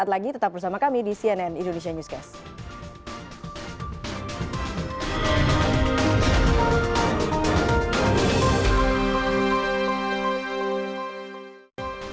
saat lagi tetap bersama kami di cnn indonesia newscast